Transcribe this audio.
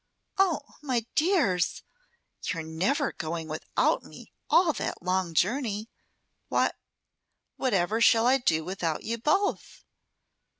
Oh, my dears! You're never going without me, all that long journey? What, whatever shall I do without you both?"